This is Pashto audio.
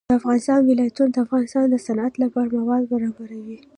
د افغانستان ولايتونه د افغانستان د صنعت لپاره مواد برابروي.